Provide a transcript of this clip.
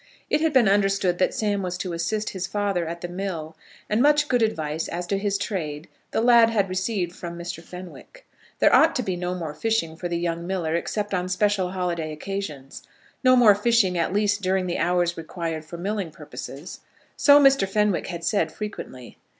It had been understood that Sam was to assist his father at the mill; and much good advice as to his trade the lad had received from Mr. Fenwick. There ought to be no more fishing for the young miller, except on special holiday occasions, no more fishing, at least, during the hours required for milling purposes. So Mr. Fenwick had said frequently.